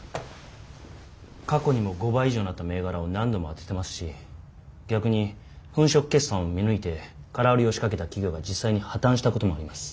過去にも５倍以上になった銘柄を何度も当ててますし逆に粉飾決算を見抜いて空売りを仕掛けた企業が実際に破綻したこともあります。